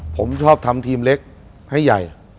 ผมชอบทำทีมเล็กให้ใหญ่